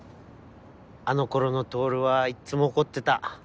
あのころの透はいつも怒ってた。